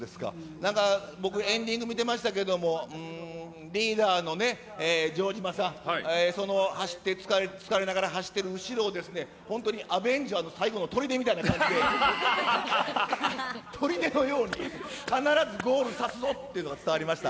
なんか、僕、エンディング見てましたけれども、リーダーの城島さん、その走って、疲れながら走ってる後ろを、本当にアベンジャーズの最後のとりでみたいな感じで、とりでのように、必ずゴールさすぞっていうのが伝わりました。